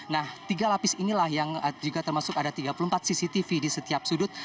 nah tiga lapis inilah yang juga termasuk ada tiga puluh empat cctv di setiap sudut